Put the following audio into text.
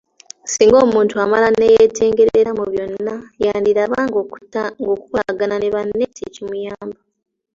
Singa omuntu amala ne yeetengerera mu byonna, yandiraba ng'okukolagana ne banne tekimuyamba.